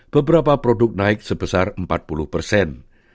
beberapa produk naik sebesar empat puluh persen